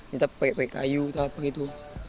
kita pakai kayu gitu gitu